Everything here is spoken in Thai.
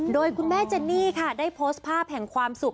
โดยคุณแม่เจนนี่ค่ะได้โพสต์ภาพแห่งความสุข